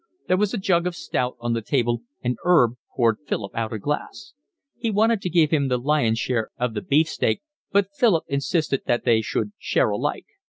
There was a jug of stout on the table, and 'Erb poured Philip out a glass. He wanted to give him the lion's share of the beefsteak, but Philip insisted that they should share alike.